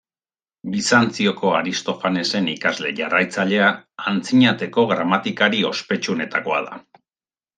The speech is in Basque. Bizantzioko Aristofanesen ikasle jarraitzailea, Antzinateko gramatikari ospetsuenetakoa da.